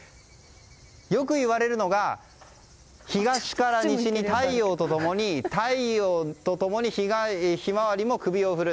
よく言われるのが東から西に太陽と共にヒマワリも首を振る。